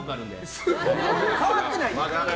変わってないな。